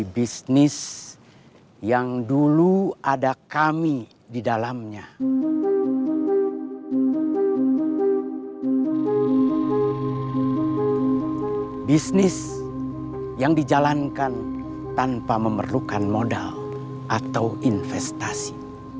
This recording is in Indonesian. bisnis yang dijalankan tanpa memerlukan modal atau investasi